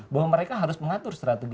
bahwa mereka harus mengatur strategi